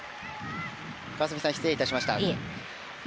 川澄さん、失礼いたしました。